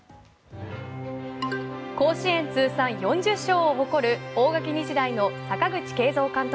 甲子園通算４０勝を誇る大垣日大の阪口慶三監督